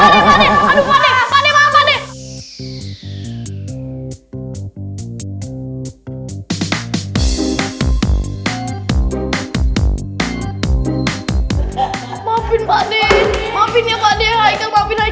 jangan kesini banget ya